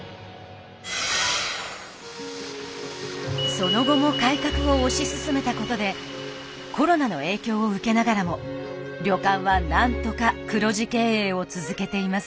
その後も改革を推し進めたことでコロナの影響を受けながらも旅館は何とか黒字経営を続けています。